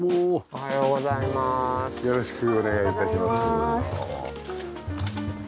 おはようございます。